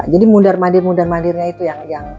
jadi mundar mandir mundar mandirnya itu yang